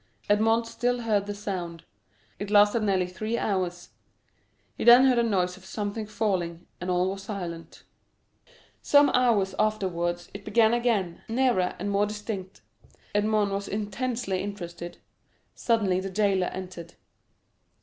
Edmond still heard the sound. It lasted nearly three hours; he then heard a noise of something falling, and all was silent. Some hours afterwards it began again, nearer and more distinct. Edmond was intensely interested. Suddenly the jailer entered.